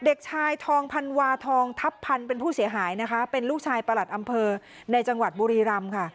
เด็กชายทองพันวาทองทัพพันธ์เป็นผู้เสียหายนะคะเป็นลูกชายประหลัดอำเภอในจังหวัดบุรีรำค่ะ